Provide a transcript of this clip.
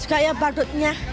suka ya badutnya